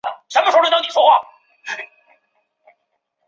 布朗克福塞。